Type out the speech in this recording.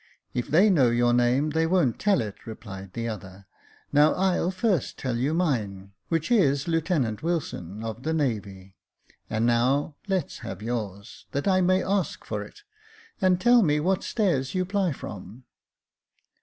" If they know your name, they won't tell it," replied the other. "Now, I'll first tell you mine, v/hich is Lieutenant Wilson, of the navy ; and now let's have yours, that I may ask for it •, and tell me what stairs you ply from."